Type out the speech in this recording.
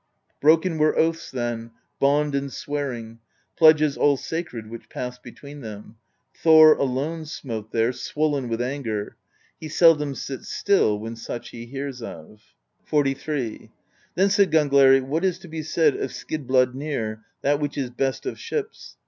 56 PROSE EDDA Broken were oaths then, bond and swearing, Pledges all sacred which passed between them; Thor alone smote there, swollen with anger: He seldom sits still when such he hears of." XLIII. Then said Gangleri: "What is to be said of Skid bladnir, that which is best of ships